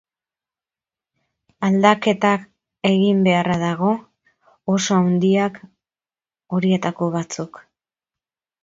Aldaketak egin beharra dago, oso handiak horietako batzuk.